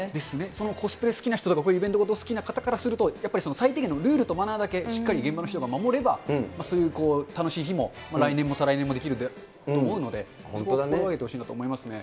そのコスプレ好きな人とか、僕、イベント事好きな人からすると、やっぱり最低限のルールとマナーだけしっかり現場の人が守れば、そういう楽しい日も、来年も再来年もできると思うので、楽しんでほしいと思いますね。